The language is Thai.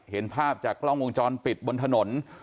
เห็นภาพจากกล้องวงจรปิดบนถนน